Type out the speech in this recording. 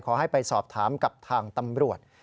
ขอให้ไปสอบถามกับทางตำรวจ